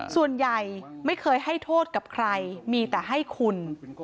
ส่วนใหญ่ไม่เคยให้โทษกับใครมีแต่ให้คุณ